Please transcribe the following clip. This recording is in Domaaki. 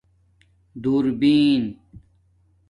دُور بین